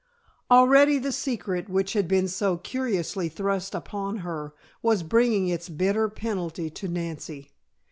Already the secret, which had been so curiously thrust upon her, was bringing its bitter penalty to Nancy.